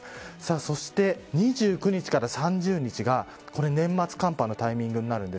そして２９日から３０日が年末寒波のタイミングになります。